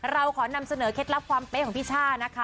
เราขอเค็ดลับความเป้ของพี่ช่านะคะ